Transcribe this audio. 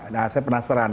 nah saya penasaran